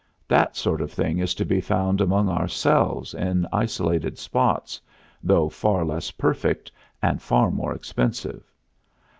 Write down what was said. That sort of thing is to be found among ourselves in isolated spots, though far less perfect and far more expensive.